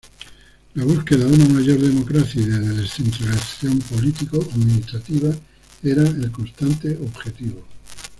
La búsqueda de una mayor democracia y de descentralización político-administrativa era el constante objetivo.